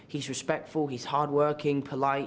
dia respek dia bekerja keras polis